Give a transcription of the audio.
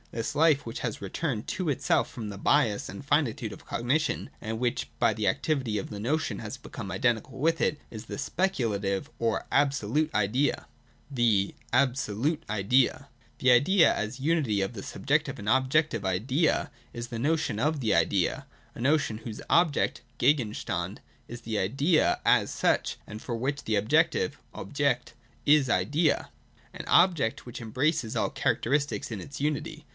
This life which has returned to itself from the bias and finitude of cognition, and which by the activity of the notion has become identical with it, is the Speculative or Absolute Idea. {c) The Absolute Idea. 236.] The Idea, as unity of the Subjective and Objec tive Idea, is the notion of the Idea, — a notion whose object {Gegenstand) is the Idea as such, and for which 374 THE DOCTRINE OF THE NOTION. [236 237 the objective (Objekt) is Idea, — an Object which embraces all characteristics in its unity.